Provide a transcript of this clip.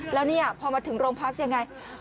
แล้วนี่พอมาถึงโรงพักษณ์